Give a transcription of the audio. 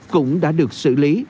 cũng đã được xử lý